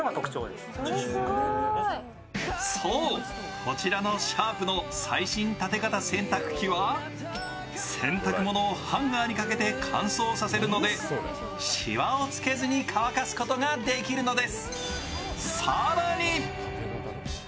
こちらのシャープの最新縦型洗濯機は洗濯物をハンガーにかけて乾燥させるので、しわをつけずに乾かすことができるのです。